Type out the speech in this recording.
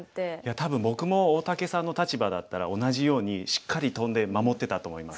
多分僕も大竹さんの立場だったら同じようにしっかりトンで守ってたと思います。